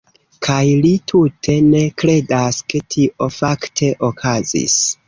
Kaj li tute ne kredas, ke tio fakte okazis.